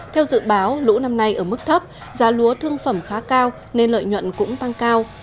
theo dự báo lũ năm nay ở mức thấp giá lúa thương phẩm khá cao nên lợi nhuận cũng tăng cao